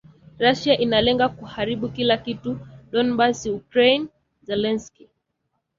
Russia inalenga kuharibu kila kitu Donbas Ukraine - Zelensky